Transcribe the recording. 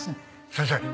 先生